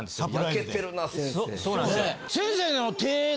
焼けてるな先生。